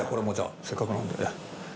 せっかくなんでね。